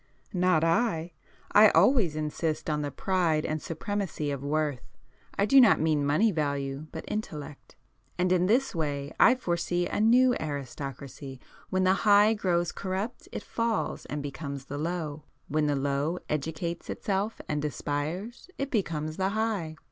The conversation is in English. "Not I! I always insist on the pride and supremacy of worth,—I do not mean money value, but intellect. And in this way I foresee a new aristocracy. When the High grows corrupt, it falls and becomes the Low;—when the Low educates itself and aspires, it becomes the High.